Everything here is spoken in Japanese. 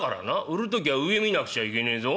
売るときゃ上見なくちゃいけねえぞ」。